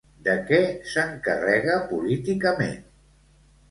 De què s'encarrega políticament?